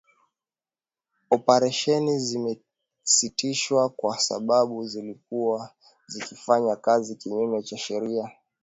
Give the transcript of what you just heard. Operesheni zimesitishwa kwa sababu zilikuwa zikifanya kazi kinyume cha sheria